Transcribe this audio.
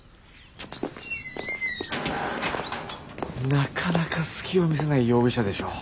なかなか隙を見せない容疑者でしょう。